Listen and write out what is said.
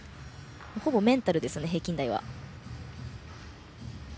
ほぼメンタルですね平均台は。